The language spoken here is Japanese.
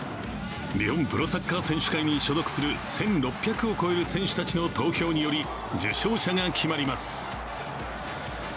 日本プロサッカー選手会に所属する１６００を超える選手たちの投票により受賞者が決まります。